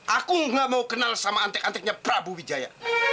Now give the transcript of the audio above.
aku nggak mau kenal sama antek anteknya prabu wijaya